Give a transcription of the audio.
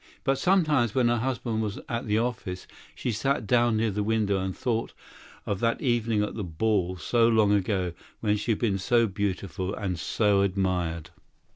But sometimes, when her husband was at the office, she sat down near the window and she thought of that gay evening of long ago, of that ball where she had been so beautiful and so admired.